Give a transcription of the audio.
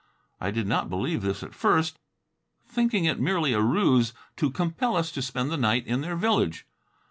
I did not believe this at first, thinking it merely a ruse to compel us to spend the night in their village.